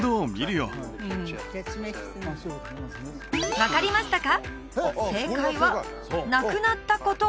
分かりましたか？